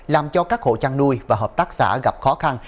làm cho các hộ chăn nuôi và hợp tác xã gặp khó khăn